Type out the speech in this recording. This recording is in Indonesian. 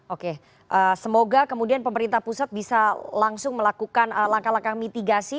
oke semoga kemudian pemerintah pusat bisa langsung melakukan langkah langkah mitigasi